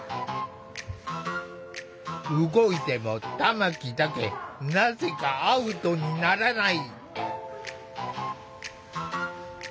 動いても玉木だけなぜかアウトにならない。